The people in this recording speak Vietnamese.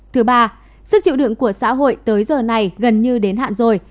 thứ ba sức chịu đựng của xã hội tới giờ này gần như đến hạn rồi